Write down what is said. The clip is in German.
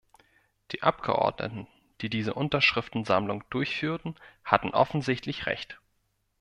Die Abgeordneten, die diese Unterschriftensammlung durchführten, hatten offensichtlich recht.